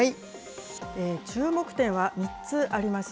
注目点は３つあります。